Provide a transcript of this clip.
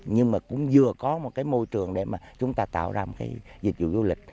nhưng mà cũng vừa có một cái môi trường để mà chúng ta tạo ra một cái dịch vụ du lịch